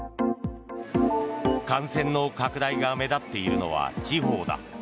感染の拡大が目立っているのは地方だ。